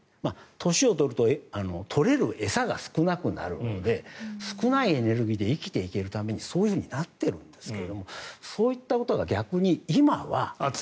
年を取ると取れる餌が少なくなるので少ないエネルギーで生きていけるためにそうなっているんですけどそういったことが逆に今は。